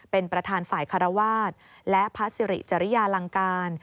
เป็นประธานฝ่ายคารวาสและพระสิริจริยาลังการ